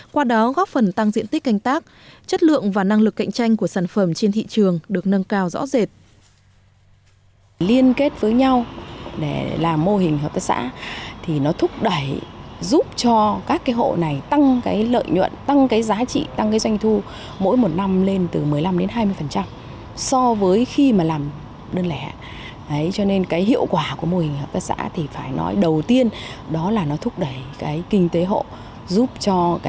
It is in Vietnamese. trong đó góp phần tăng diện tích canh tác chất lượng và năng lực cạnh tranh của sản phẩm trên thị trường được nâng cao rõ rệt